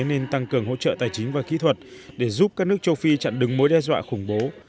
nên tăng cường hỗ trợ tài chính và kỹ thuật để giúp các nước châu phi chặn đứng mối đe dọa khủng bố